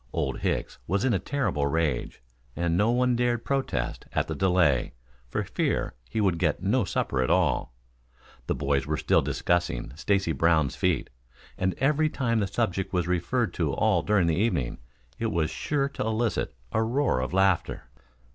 Old Hicks was in a terrible rage and no one dared protest at the delay, for fear he would get no supper at all. The boys were still discussing Stacy Brown's feat, and every time the subject was referred to all during the evening, it was sure to elicit a roar of laughter.